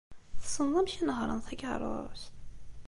Tessneḍ amek i nehhṛen takeṛṛust?